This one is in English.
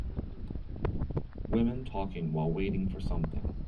Women talking while waiting for something.